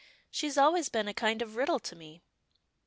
She's always been a kind of riddle to me."